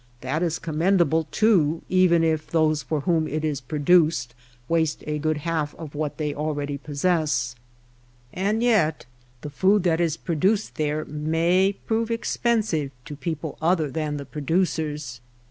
That is commendable, too, even if those for whom it is produced waste a good half of what they already possess. And yet the food that is pro duced there may prove expensive to people other than the producers.